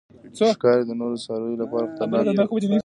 ښکاري د نورو څارویو لپاره خطرناک دی.